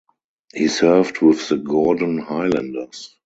He served with the Gordon Highlanders.